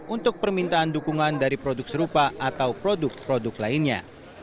untuk permintaan dukungan dari produk serupa atau produk produk lainnya